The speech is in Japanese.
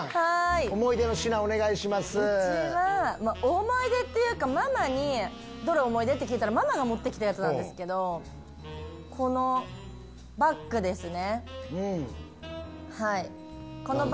思い出っていうかママにどれ思い出？って聞いてママが持って来たやつなんですけどこのバッグですね。